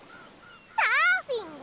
サーフィンは？